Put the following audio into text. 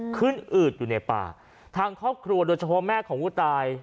อืดอยู่ในป่าทางครอบครัวโดยเฉพาะแม่ของผู้ตาย